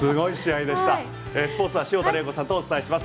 スポーツは潮田玲子さんとお伝えします。